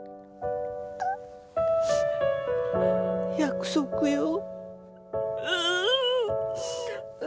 約束よ。